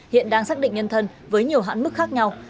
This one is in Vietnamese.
hiện đang xác định nhân thân với nhiều hãn mức khác nhau